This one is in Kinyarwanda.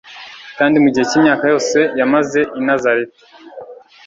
kandi mu gihe cy'imvaka yose yamaze ari I Nazareti,